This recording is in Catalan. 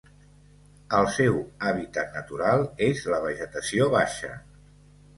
El seu hàbitat natural és la vegetació baixa.